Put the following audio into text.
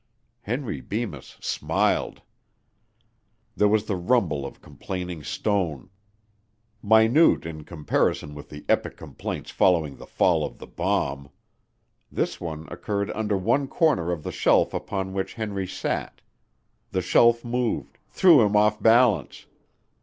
Henry Bemis smiled. There was the rumble of complaining stone. Minute in comparison which the epic complaints following the fall of the bomb. This one occurred under one corner of the shelf upon which Henry sat. The shelf moved; threw him off balance.